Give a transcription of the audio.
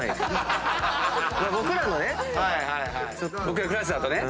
僕らがね。